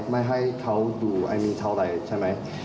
ไม่ให้เขาดูเท่าไหร่ใช่ไหม